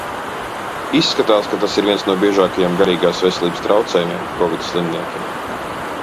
Izskatās, ka tas ir viens no biežākajiem garīgās veselības traucējumiem Kovid slimniekiem.